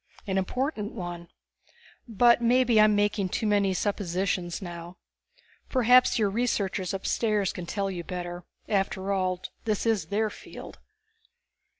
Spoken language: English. "An important one. But maybe I'm making too many suppositions now. Perhaps your researchers upstairs can tell you better; after all, this is their field."